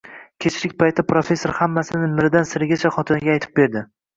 Kechlik paytida professor hammasini miridan-sirigacha xotiniga aytib berdi